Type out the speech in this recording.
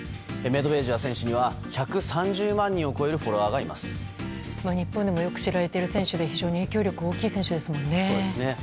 メドベージェワ選手には１３０万人を超える日本でもよく知られている選手で非常に影響力が大きい選手ですもんね。